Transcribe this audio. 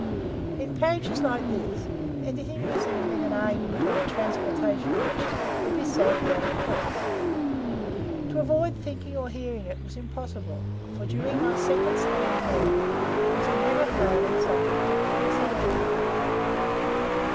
In pages like these, anything resembling an argument on the "transportation question," would be sadly out of place. To avoid thinking or hearing it was impossible, for during my second stay in Melbourne, it was a never failing subject of conversation.